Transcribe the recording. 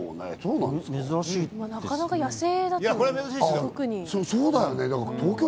なかなか野生だと特に。